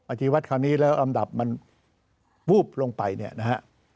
อาจจะวัดคราวนี้แล้วอำดับมันวูบลงไปนะฮะ